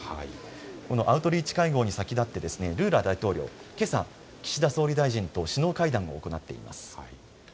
このアウトリーチ会合に先立ってルーラ大統領、けさ岸田総理大臣と首脳会談を行っています。